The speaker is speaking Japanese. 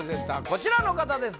こちらの方です